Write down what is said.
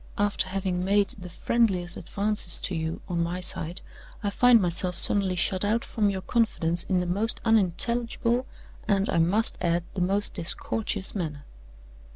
After having made the friendliest advances to you on my side, I find myself suddenly shut out from your confidence in the most unintelligible, and, I must add, the most discourteous manner.